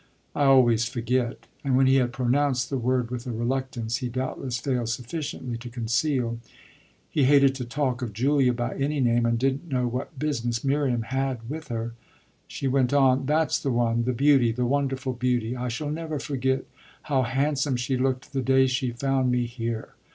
I always forget." And when he had pronounced the word with a reluctance he doubtless failed sufficiently to conceal he hated to talk of Julia by any name and didn't know what business Miriam had with her she went on: "That's the one the beauty, the wonderful beauty. I shall never forget how handsome she looked the day she found me here.